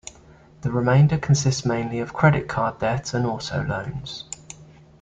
The remainder consists mainly of credit card debt and auto loans.